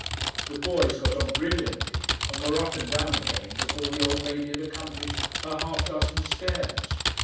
The boys got on brilliantly, and were up and down again before the old lady had accomplished her half dozen stairs.